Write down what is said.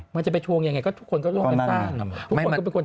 มันจะไปทวงอย่างไรทุกคนก็ร่วมกันสร้าง